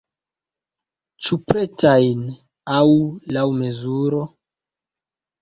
Ĉu pretajn aŭ laŭ mezuro?